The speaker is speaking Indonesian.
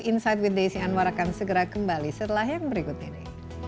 insight with desi anwar akan segera kembali setelah yang berikut ini